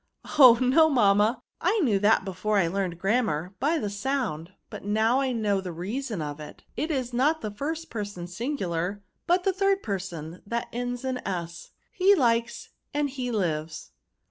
"*^ Oh ! no, mamma, I knew that before I learned grammar, by the sound ; but now, I know the reason of it. It is not the first person singular, but the third person, that ends in s, — ^he likes and he lives."